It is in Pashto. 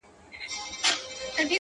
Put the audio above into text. داده پښـــــتانه اشـــــــنــــٰــا؛